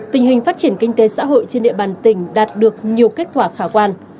tình hình phát triển kinh tế xã hội trên địa bàn tỉnh đạt được nhiều kết quả khả quan